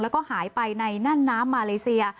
แล้วก็หายไปในแน่นน้ำมาเลเซีย